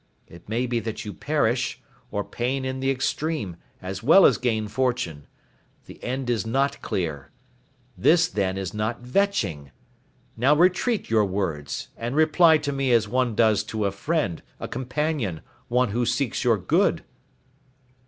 It may be that you perish, or pain in the extreme, as well as gain fortune. The end is not clear. This then is not vetching. Now retreat your words, and reply to me as one does to a friend, a companion, one who seeks your good."